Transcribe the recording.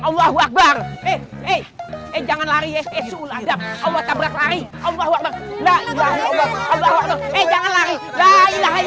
allahu akbar eh eh eh jangan lari eh eh surat adab allah tak berat lari allah